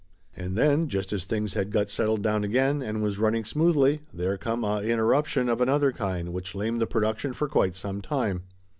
And then, just as things had got settled down again and was running smoothly, there come a interruption of another kind which lamed the production for quite some time.